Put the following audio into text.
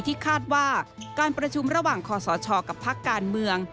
ที่คาดว่าการประชุมระหว่างคอสชกับพักการเมือง